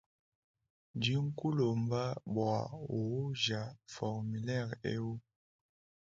Ndi nkulomba bua uuja formilere ewu.